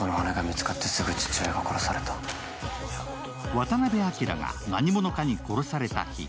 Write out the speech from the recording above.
渡辺昭が何者かに殺された日。